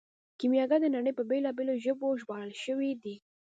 کیمیاګر د نړۍ په بیلابیلو ژبو ژباړل شوی دی.